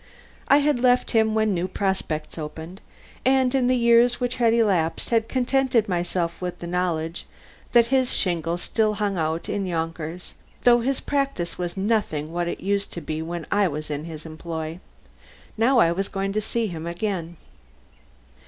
I had left him when new prospects opened, and in the years which had elapsed had contented myself with the knowledge that his shingle still hung out in Yonkers, though his practice was nothing to what it used to be when I was in his employ. Now I was going to see him again.